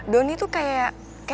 donny tuh kayak gak jelas gitu deh